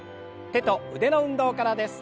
手と腕の運動からです。